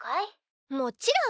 もちろん！